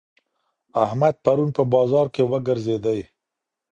احمد پرون په بازار کي وګرځېدی.